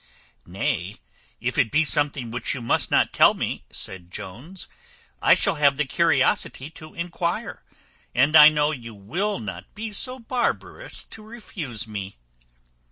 "Nay, if it be something which you must not tell me," said Jones, "I shall have the curiosity to enquire, and I know you will not be so barbarous to refuse me."